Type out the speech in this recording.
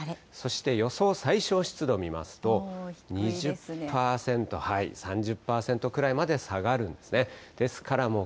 そして昼過ぎにかけても広く晴れ、そして予想最小湿度見ますと、２０％、３０％くらいまで下がるんですね。